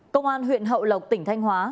công an huyện hậu lộc tỉnh thanh hóa